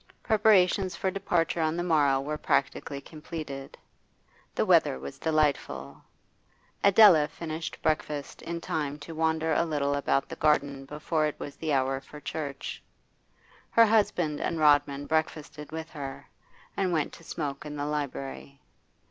Preparations for departure on the morrow were practically completed. The weather was delightful. Adela finished breakfast in time to wander a little about the garden before it was the hour for church; her husband and Rodman breakfasted with her, and went to smoke in the library.